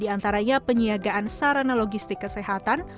di antaranya penyiagaan sarana logistik kesehatan